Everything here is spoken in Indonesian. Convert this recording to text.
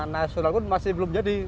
nasional pun masih belum jadi